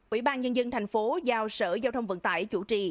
ủy ban nhân dân tp hcm giao sở giao thông vận tải chủ trì